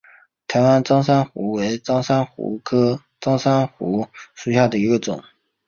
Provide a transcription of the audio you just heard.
台湾蕈珊瑚为蕈珊瑚科蕈珊瑚属下的一个种。